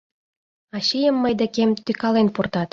Ачийым мый декем тӱкален пуртат.